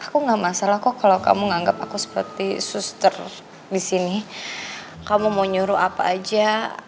aku nggak masalah kok kalau kamu nganggap aku seperti suster disini kamu mau nyuruh apa aja